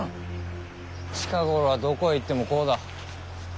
近頃はどこへ行ってもこうだ。